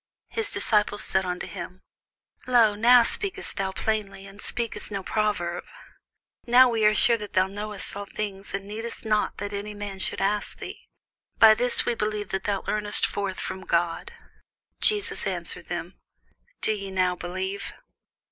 His disciples said unto him, Lo, now speakest thou plainly, and speakest no proverb. Now are we sure that thou knowest all things, and needest not that any man should ask thee: by this we believe that thou earnest forth from God. Jesus answered them, Do ye now believe?